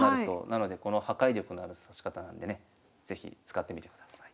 なのでこの破壊力のある指し方なんでね是非使ってみてください。